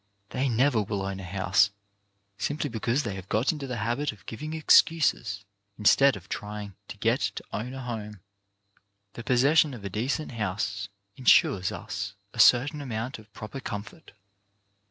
They never will own a house, simply because they have got into the habit of giving excuses, instead of trying to get to own a home. The possession of a decent house insures us a certain amount of proper comfort.